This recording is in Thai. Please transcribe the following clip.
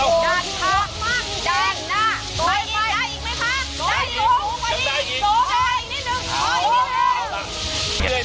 บอกเลยนะคะว่าตอนนี้เรากำลังลุ้มกันสด